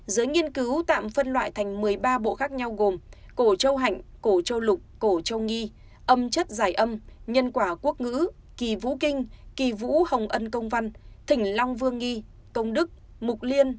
giới nghiên cứu tạm phân loại thành một mươi ba bộ khác nhau gồm cổ châu hạnh cổ châu lục cổ châu nghi âm chất giải âm nhân quả quốc ngữ kỳ vũ kinh kỳ vũ hồng ân công văn thỉnh long vương nghi công đức mục liên